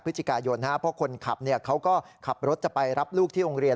เพราะคนขับเขาก็ขับรถจะไปรับลูกที่โรงเรียน